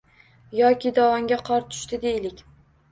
Yoki dovonga qor tushdi, deylik.